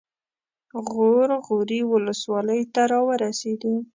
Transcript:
غور غوري ولسوالۍ ته راورسېدو.